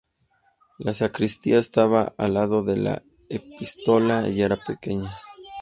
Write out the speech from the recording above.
La sacristía estaba al lado de la epístola y era pequeña.